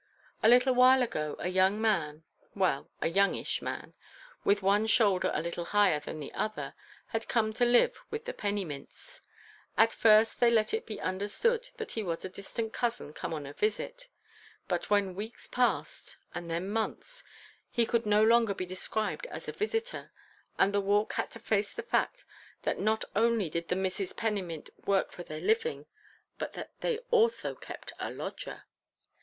A little while ago a young man—well, a youngish man—with one shoulder a little higher than the other, had come to live with the Pennymints. At first they let it be understood that he was a distant cousin come on a visit; but when weeks passed and then months, he could no longer be described as a visitor, and the Walk had to face the fact that not only did the Misses Pennymint work for their living, but that they also kept a lodger.